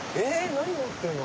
何乗ってんの？